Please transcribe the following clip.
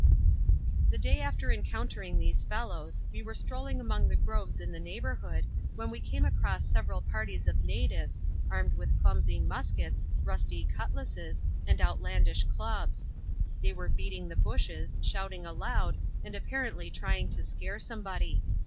The day after encountering these fellows, we were strolling among the groves in the neighbourhood, when we came across several parties of natives, armed with clumsy muskets, rusty cutlasses, and outlandish dubs. They were beating the bushes, shouting aloud, and apparently tiying to scare somebody.